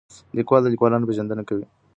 لیکوال د لیکوالانو پېژندنه کوي.